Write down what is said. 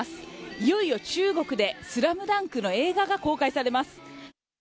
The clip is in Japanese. いよいよ中国で『ＳＬＡＭＤＵＮＫ』の映画が公開されます。